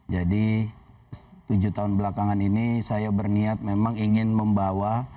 jadi tujuh tahun belakangan ini saya berniat memang ingin membawa